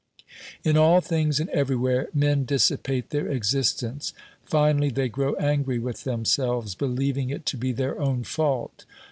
In all things and everywhere men dissipate their exist ence ; finally, they grow angry with themselves, believing it to be their own fault.